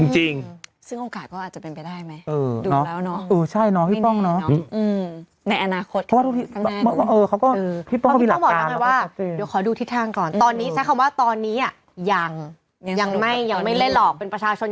จริงทรมาน